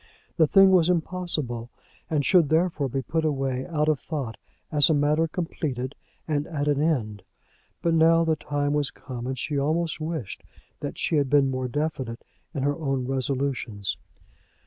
The thing was impossible, and should therefore be put away out of thought, as a matter completed and at an end. But now the time was come, and she almost wished that she had been more definite in her own resolutions.